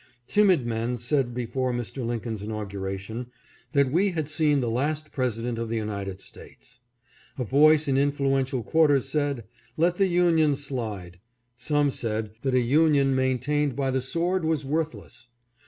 Timid men said before Mr. Lin coln's inauguration that we had seen the last President of the United States. A voice in influential quarters said, " Let the Union slide." Some said that a Union maintained by the sword was worthless.